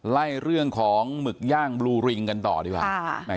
เรื่องของหมึกย่างบลูริงกันต่อดีกว่า